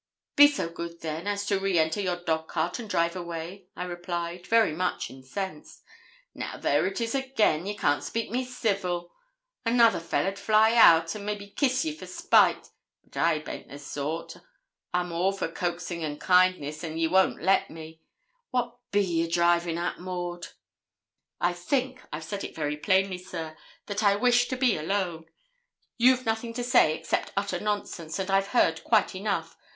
'Be so good, then, as to re enter your dog cart and drive away,' I replied, very much incensed. 'Now, there it is again! Ye can't speak me civil. Another fellah'd fly out, an' maybe kiss ye for spite; but I baint that sort, I'm all for coaxin' and kindness, an' ye won't let me. What be you drivin' at, Maud?' 'I think I've said very plainly, sir, that I wish to be alone. You've nothing to say, except utter nonsense, and I've heard quite enough.